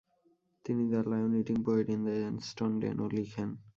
তিনি the lion eating poet in the stone den ও লিখেন।